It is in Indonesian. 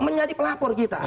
menjadi pelapor kita